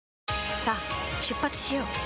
さあ出発しよう。